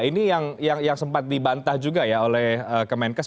ini yang sempat dibantah juga ya oleh kemenkes